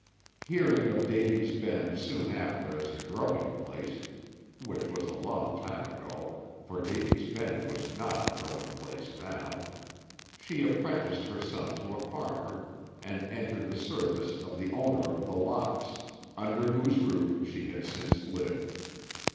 Hearing of Davy's Bend soon after as a growing place, which was a long time ago, for Davy's Bend was not a growing place now, she apprenticed her son to a farmer, and entered the service of the owner of The Locks, under whose roof she had since lived.